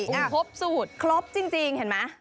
มันครบสูตรครบจริงเห็นไหม